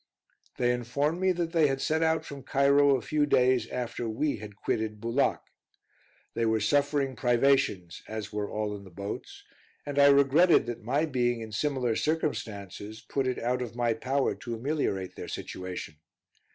They informed me that they had set out from Cairo a few days after we had quitted Bulac. They were suffering privations, as were all in the boats, and I regretted that my being in similar circumstances put it out of my power to ameliorate their situation.